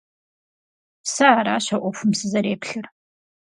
Сэ аращ а Ӏуэхум сызэреплъыр.